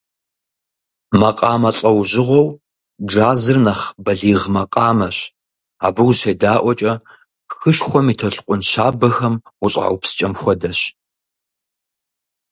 Макъамэ лӏэужьыгъуэу джазыр нэхъ бэлигъ макъамэщ, абы ущедаӏуэкӏэ, хышхуэм и толъкун щабэхэм ущӏаупскӏэм хуэдэщ.